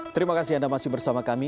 terima kasih anda masih bersama kami